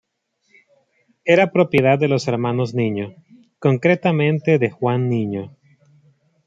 Era propiedad de los Hermanos Niño, concretamente de Juan Niño.